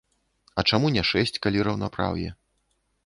А чаму не шэсць, калі раўнапраўе?